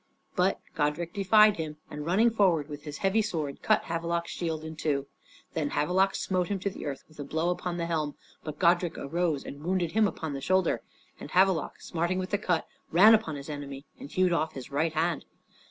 But Godrich defied him, and running forward with his heavy sword cut Havelok's shield in two. Then Havelok smote him to the earth with a blow upon the helm; but Godrich arose and wounded him upon the shoulder, and Havelok, smarting with the cut, ran upon his enemy and hewed off his right hand.